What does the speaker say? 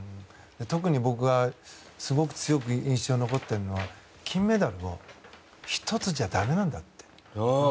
特に僕はすごく強く印象に残っているのは金メダルを１つじゃだめなんだって。